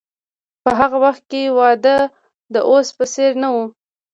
په هغه وخت کې واده د اوس په څیر نه و.